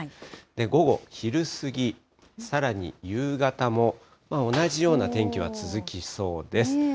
午後、昼過ぎ、さらに夕方も、同じような天気は続きそうです。